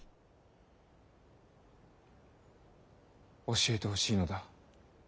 教えてほしいのだ。